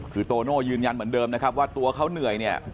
คือโตโน่ยืนยันเหมือนเดิมนะครับว่าตัวเขาเหนื่อยเนี่ย